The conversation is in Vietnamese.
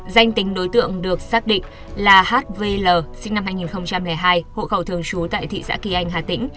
danh tính đối tượng được xác định là hvl sinh năm hai nghìn hai hộ khẩu thường trú tại thị xã kỳ anh hà tĩnh